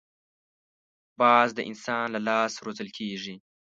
باز د انسان له لاس روزل کېږي